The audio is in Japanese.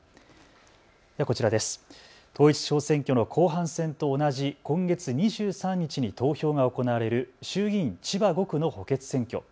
統一地方選挙の後半戦と同じ今月２３日に投票が行われる衆議院千葉５区の補欠選挙。